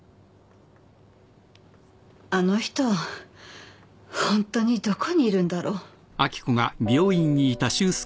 あの人ホントにどこにいるんだろう。